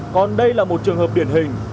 còn đây là một trường hợp điển hình